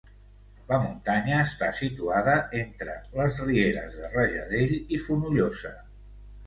La muntanya està situada entre les rieres de Rajadell i Fonollosa.